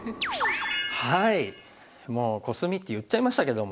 もうコスミって言っちゃいましたけども。